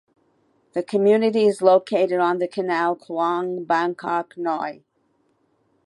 The community is located on the canal Khlong Bangkok Noi.